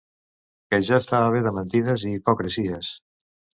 Que ja estava bé de mentides i hipocresies.